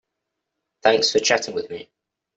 Thanks for chatting with me.